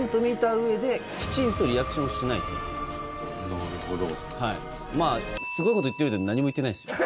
なるほど。